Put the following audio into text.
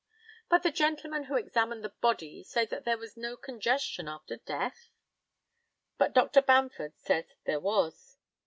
But the gentlemen who examined the body say that there was no congestion after death? But Dr. Bamford says there was.